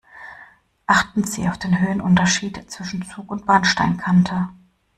Achten Sie auf den Höhenunterschied zwischen Zug und Bahnsteigkante.